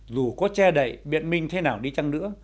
dù có che đậy biện minh thế nào đi chăng nữa